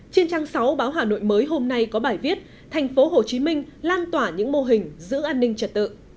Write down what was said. trên trang sáu báo hà nội mới hôm nay có bài viết thành phố hồ chí minh lan tỏa những mô hình giữ an ninh trật tự